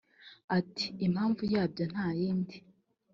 Ati “Impamvu yabyo nta yindi